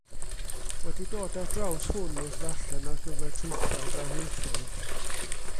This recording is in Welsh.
Wedi dod ar draws hwn wrth ddarllen ar gyfer traethawd ar ieithoedd.